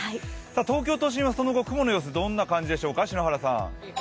東京都心はその後、雲の様子はどんな感じですか？